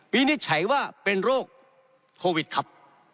วินิจฉัยว่าเป็นโรคโควิดครับ